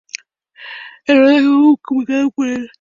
El rodaje fue comunicado por "E!